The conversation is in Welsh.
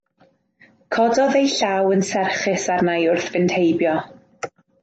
Cododd ei llaw yn serchus arna i wrth fynd heibio.